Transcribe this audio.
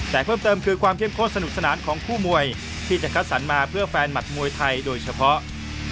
แต่เพิ่มเติมคือความเข้มข้นสนุกสนานของคู่มวยที่จะคัดสรรมาเพื่อแฟนหมัดมวยไทยโดยเฉพาะ